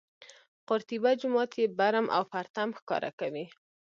قورطیبه جومات یې برم او پرتم ښکاره کوي.